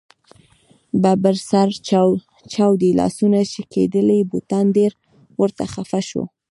ببر سر، چاودې لاسونه ، شکېدلي بوټان ډېر ورته خفه شو.